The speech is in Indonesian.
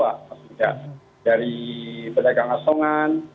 maksudnya dari pedagang asongan